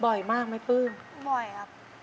บ่อยมากไหมปลื้มบ่อยครับ